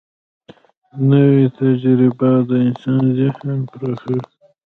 نوې تجربه د انسان ذهن پراخوي